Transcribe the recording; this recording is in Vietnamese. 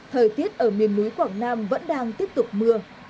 thời tiết ở miền núi quảng nam vẫn đang tiếp tục mưa